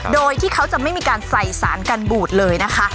โดยที่เขาจะไม่มีการใส่สารกันบูดเลยนะคะ